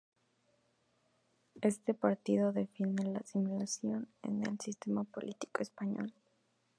Este partido defiende la asimilación en el sistema político español.